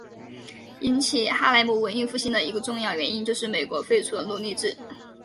引起哈莱姆文艺复兴的一个重要原因就是美国废除了奴隶制。